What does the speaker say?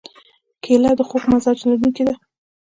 کېله د خوږ مزاج لرونکې ده.